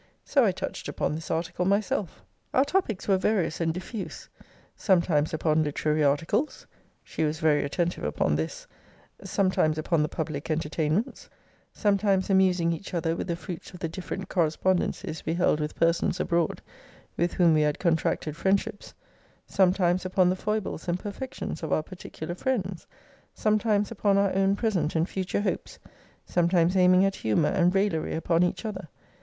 So I touched upon this article myself. Our topics were various and diffuse: sometimes upon literary articles [she was very attentive upon this]; sometimes upon the public entertainments; sometimes amusing each other with the fruits of the different correspondencies we held with persons abroad, with whom we had contracted friendships; sometimes upon the foibles and perfections of our particular friends; sometimes upon our own present and future hopes; sometimes aiming at humour and raillery upon each other.